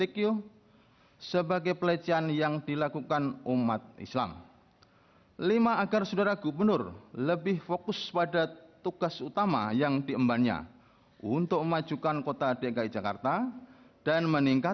kepulauan seribu kepulauan seribu